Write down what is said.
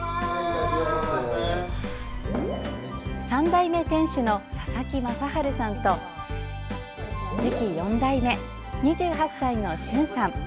３代目店主の佐々木正治さんと次期４代目、２８歳の駿さん。